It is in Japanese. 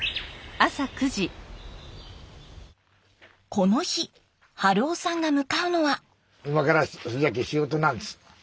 この日春生さんが向かうのは。